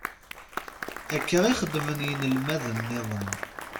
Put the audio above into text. Akka i xeddmen yinelmaden-nniḍen.